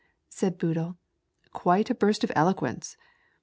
said Boodle, "quite a burst of elo quence."